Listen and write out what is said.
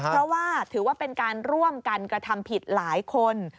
เพราะว่าถือว่าเป็นการร่วมกันกระทำผิดหลายคน